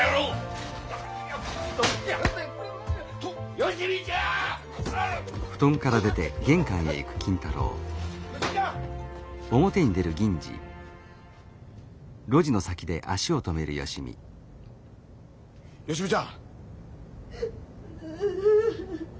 芳美ちゃん！芳美ちゃん！